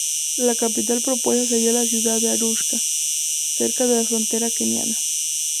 La capital propuesta sería la ciudad de Arusha, cerca de la frontera keniana.